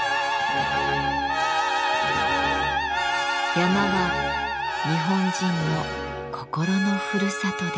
山は日本人の心のふるさとです。